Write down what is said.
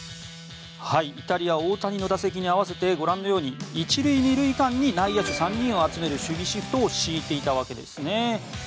イタリア大谷の打席に合わせてご覧のように１塁２塁間に内野手３人を集める守備シフトを敷いていたわけですね。